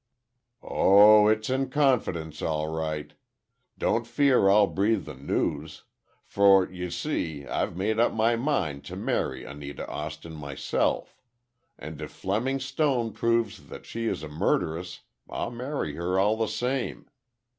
"Oh, it's in confidence, all right. Don't fear I'll breathe the news. For, you see, I've made up my mind to marry Anita Austin myself; and if Fleming Stone proves that she is a murderess, I'll marry her all the same.